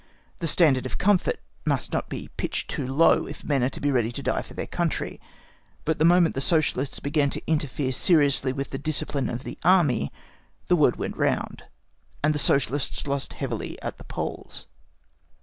The standard of comfort must not be pitched too low if men are to be ready to die for their country. But the moment the Socialists began to interfere seriously with the discipline of the Army the word went round, and the Socialists lost heavily at the polls.